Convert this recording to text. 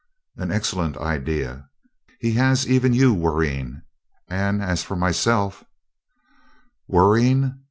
"An excellent idea. He has even you worrying, and as for myself " "Worrying!